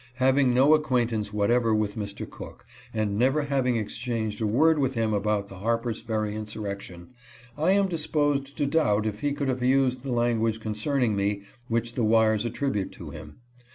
Having no acquaintance what ever with Mr. Cook, and never having exchanged a word with him about the Harper's Ferry insurrection, I am disposed to doubt if he could have used the language concerning me which the wires attribute to him.